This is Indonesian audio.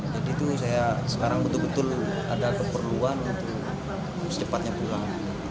itu saya sekarang betul betul ada keperluan untuk secepatnya pulang